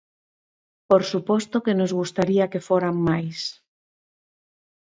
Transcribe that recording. Por suposto que nos gustaría que foran máis.